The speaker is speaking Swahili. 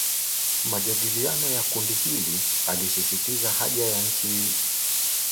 majadiliano ya kundi hili alisisitiza haja ya nchi zote za Afrika kushikamana baada ya